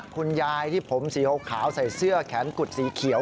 คุณยายที่ผมสีขาวใส่เสื้อแขนกุดสีเขียว